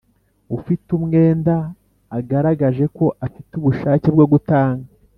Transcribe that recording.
ufite umwenda agaragaje ko afite ubushake bwo gutanga